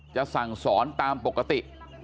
จะสั่งสอนตามปกติ